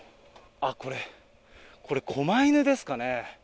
あっ、これ、これ、狛犬ですかね。